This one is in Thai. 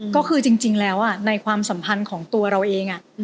ก็คือจริงแล้วในความสัมพันธ์ของตัวเราเอง